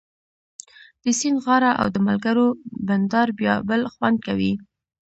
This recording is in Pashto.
د سیند غاړه او د ملګرو بنډار بیا بل خوند کوي